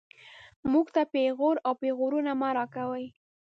موږ ته پېغور او پېغورونه مه راکوئ